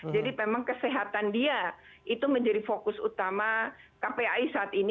jadi memang kesehatan dia itu menjadi fokus utama kpi saat ini